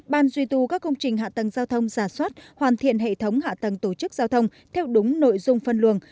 ban duy tu các công trình hạ tầng giao thông giả soát hoàn thiện hệ thống hạ tầng tổ chức giao thông theo đúng nội dung phân luồng